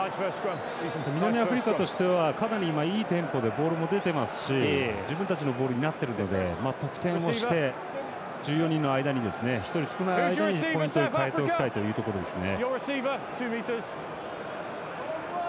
南アフリカとしてはかなりいいテンポでボールも出ていますし自分たちのボールになっているので得点をして１４人の間に、１人少ない間にポイントに変えておきたいというところですね。